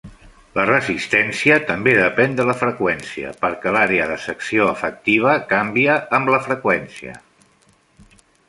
La resistència també depèn de la freqüència perquè l'àrea de secció efectiva canvia amb la freqüència.